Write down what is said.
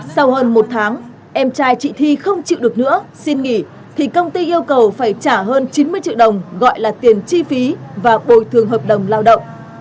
sau hơn một tháng em trai chị thi không chịu được nữa xin nghỉ thì công ty yêu cầu phải trả hơn chín mươi triệu đồng gọi là tiền chi phí và bồi thường hợp đồng lao động